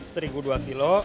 terigu dua kilo